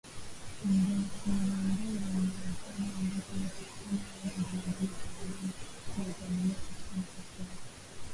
Ngorongoro ni hifadhi ambako hupatikana aina mbalimbali za wanyama na itaendelea kushika nafasi yake